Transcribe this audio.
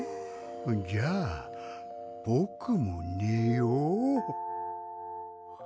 じゃあぼくもねよう。